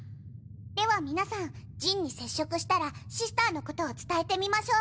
では皆さんジンに接触したらシスターのことを伝えてみましょう。